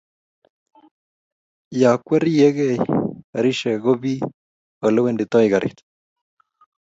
ya kweregei garishek ko pee ole wenditoi garit